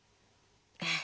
ええ。